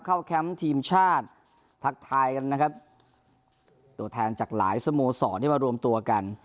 แคมป์ทีมชาติทักทายกันนะครับตัวแทนจากหลายสโมสรที่มารวมตัวกัน